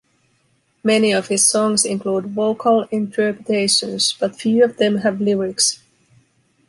Many of his songs include vocal interpretations, but few of them have lyrics.